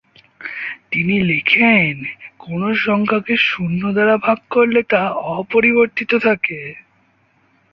এখানে তিনি লিখেন: "কোন সংখ্যাকে শূন্য দ্বারা ভাগ করলে তা অপরিবর্তিত থাকে।"